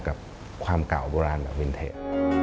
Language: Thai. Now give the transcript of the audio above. กับความเก่าโบราณแบบวินเทจ